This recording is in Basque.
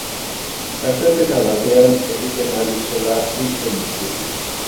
Lasterketa batean egiten ari zela hil zen istripuz.